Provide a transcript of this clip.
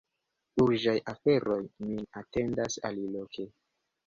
Urĝaj aferoj min atendas aliloke.